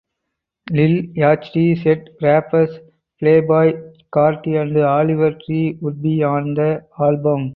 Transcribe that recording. Lil Yachty said rappers Playboi Carti and Oliver Tree would be on the album.